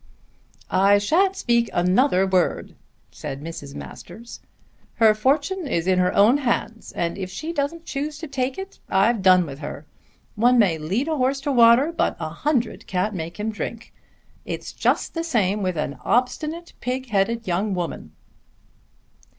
"I shan't speak another word," said Mrs. Masters; "her fortune is in her own hands and if she don't choose to take it I've done with her. One man may lead a horse to water but a hundred can't make him drink. It's just the same with an obstinate pig headed young woman."